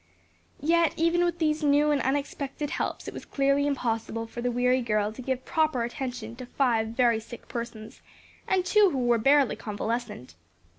Yet even with these new and unexpected helps it was clearly impossible for the weary girl to give proper attention to five very sick persons, and two who were barely convalescent.